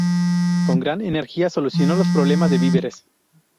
Con gran energía solucionó los problemas de víveres.